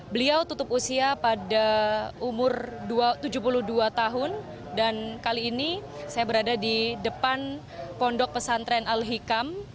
beliau tutup usia pada umur tujuh puluh dua tahun dan kali ini saya berada di depan pondok pesantren al hikam